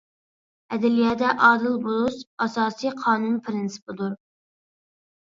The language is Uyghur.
ئەدلىيەدە ئادىل بولۇش ئاساسىي قانۇن پىرىنسىپىدۇر.